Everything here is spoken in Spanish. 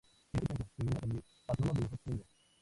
En este templo se venera a San Miguel, patrono de Huejotzingo.